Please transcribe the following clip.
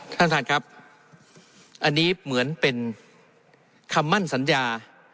ท่านท่านครับอันนี้เหมือนเป็นคำมั่นสัญญา